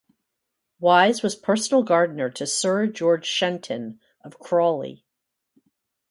Wise was personal gardener to Sir George Shenton, of Crawley.